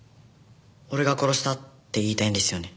俺が殺したって言いたいんですよね？